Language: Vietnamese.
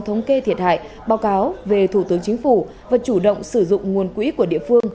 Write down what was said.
thống kê thiệt hại báo cáo về thủ tướng chính phủ và chủ động sử dụng nguồn quỹ của địa phương